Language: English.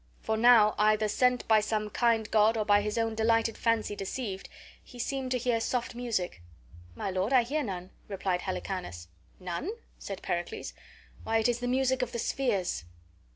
for now, either sent by some kind god or by his own delighted fancy deceived, he seemed to hear soft music. "My lord, I hear none," replied Helicanus. "None?" said Pericles. "Why, it is the music of the spheres."